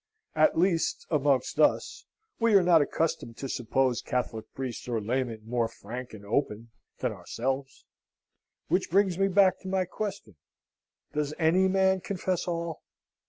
At least, amongst us, we are not accustomed to suppose Catholic priests or laymen more frank and open than ourselves. Which brings me back to my question, does any man confess all?